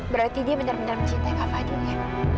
berarti dia benar benar mencintai kak fadil ya